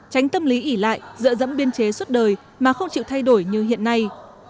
tránh tâm lý ỉ lại dỡ dẫm biên chế suốt đời mà không chịu thay đổi như hiện nay